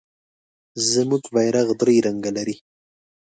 زمونږ بیرغ درې رنګه لري.